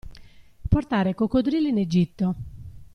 Portare coccodrilli in Egitto.